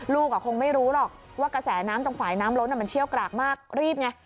ลูกคงไม่รู้หรอกว่ากระแสน้ำตรงฝ่ายน้ำล้นมันเชี่ยวกรากมากรีบไง